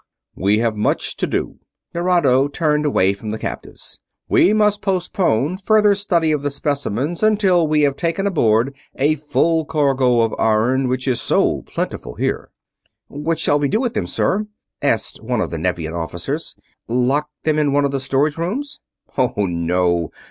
"We have much to do." Nerado turned away from the captives. "We must postpone further study of the specimens until we have taken aboard a full cargo of the iron which is so plentiful here." "What shall we do with them, sir?" asked one of the Nevian officers. "Lock them in one of the storage rooms?" "Oh, no!